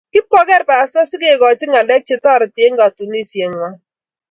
Kipkoker pastor sikekochi ngalek chetareti eng katunisiet nywan.